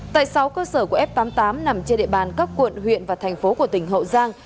tại sáu cơ sở của f tám mươi tám nằm trên địa bàn các quận huyện và thành phố của tỉnh hậu giang